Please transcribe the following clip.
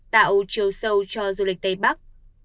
tạo chiều sâu cho du lịch tây bắc